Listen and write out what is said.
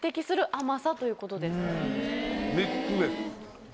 する甘さということです。